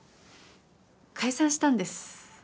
解散したんです。